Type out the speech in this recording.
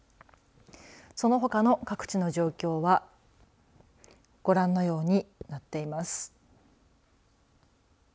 そのほかの各地の状況はご覧のようになっています。